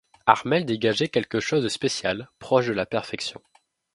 Armelle dégageait quelque chose de spécial, proche de la perfection.